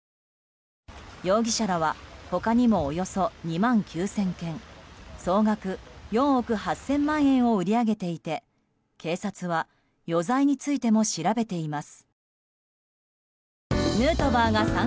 容疑者らは他にもおよそ２万９０００件総額４億８０００万円を売り上げていて警察は余罪についても調べています。